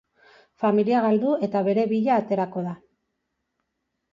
Familia galdu eta bere bila aterako da.